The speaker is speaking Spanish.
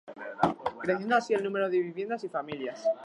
Creciendo así el número de viviendas y familias.